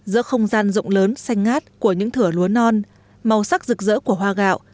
rộng lớn xanh ngát của những thửa lúa non màu sắc rực rỡ của hoa gạo